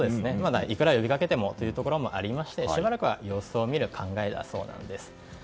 いくら呼びかけてもということもありましてしばらくは様子を見る考えだそうなんです。